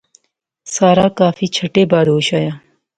ساحرہ کافی چھٹے بعد ہوش آیا